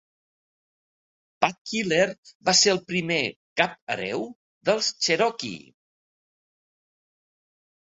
Pathkiller va ser el primer "cap hereu" dels Cherokee.